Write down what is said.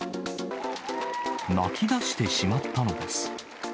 泣きだしてしまったのです。